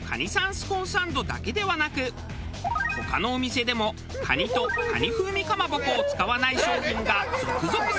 スコーンサンドだけではなく他のお店でも蟹と蟹風味かまぼこを使わない商品が続々参戦。